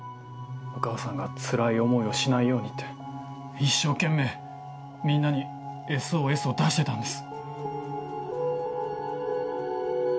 お母さんがつらい思いをしないようにって一生懸命みんなにＳＯＳを出してたんです。